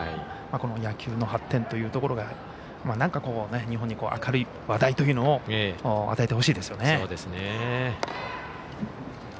この野球の発展というところが何か日本に明るい話題というのを与えてほしいですよね。